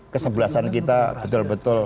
kesebelasan kita betul betul